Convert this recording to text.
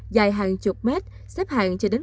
dài hàng chục mét xếp hàng cho đến